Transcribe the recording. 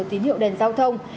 tín hiệu đèn giao thông